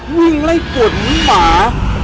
วิ่งไล่กดหมา